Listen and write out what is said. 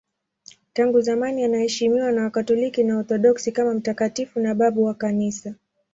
Tangu zamani anaheshimiwa na Wakatoliki na Waorthodoksi kama mtakatifu na babu wa Kanisa.